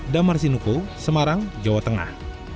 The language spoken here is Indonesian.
damar sinuko semarang jawa tengah